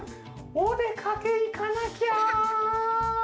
おでかけいかなきゃ！」。